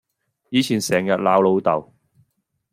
以前成日鬧老豆